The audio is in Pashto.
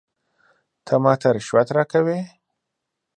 ته ماته رشوت راکوې ؟